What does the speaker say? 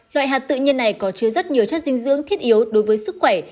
loại hạt tự nhiên này có chứa rất nhiều chất dinh dưỡng thiết yếu đối với sức khỏe